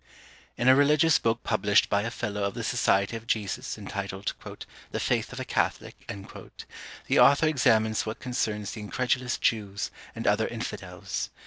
In a religious book published by a fellow of the Society of Jesus, entitled, "The Faith of a Catholic," the author examines what concerns the incredulous Jews and other infidels.